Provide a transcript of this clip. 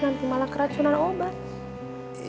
nanti malah keracunan obat